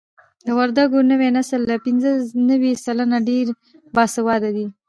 د وردګو نوی نسل له پنځه نوي سلنه ډېر باسواده دي.